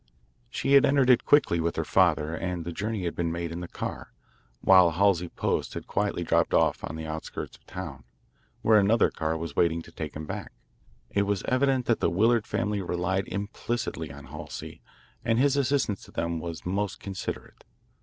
She had entered it quickly with her father, and the journey had been made in the car, while Halsey Post had quietly dropped off on the outskirts of the town, where another car was waiting to take him back. It was evident that the Willard family relied implicitly on Halsey, and his assistance to them was most considerate.